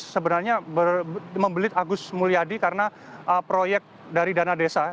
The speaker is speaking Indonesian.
sebenarnya membelit agus mulyadi karena proyek dari dana desa